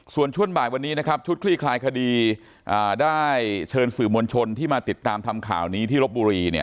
ส่วนช่วงบ่ายวันนี้นะครับชุดคลี่คลายคดีได้เชิญสื่อมวลชนที่มาติดตามทำข่าวนี้ที่ลบบุรี